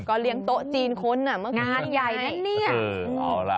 ก็เลี้ยงโต๊ะจีนคนงานใหญ่นั้นเนี่ย